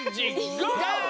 ゴー！